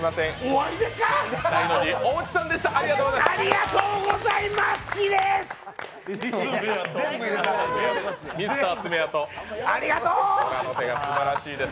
ありがとうございマッチです！